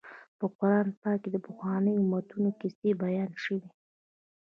په قران پاک کې د پخوانیو امتونو کیسې بیان شوي.